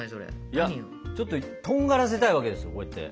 いやちょっととんがらせたいわけですよこうやって。